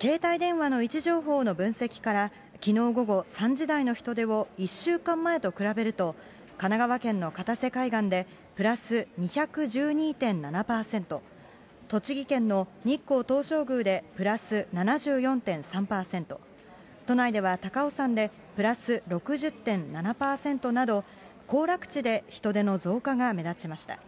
携帯電話の位置情報の分析から、きのう午後３時台の人出を１週間前と比べると、神奈川県の片瀬海岸でプラス２１２．７％、栃木県の日光東照宮でプラス７４．３％、都内では高尾山でプラス６０．７％など、行楽地で人出の増加が目立ちました。